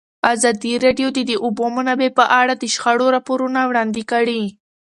ازادي راډیو د د اوبو منابع په اړه د شخړو راپورونه وړاندې کړي.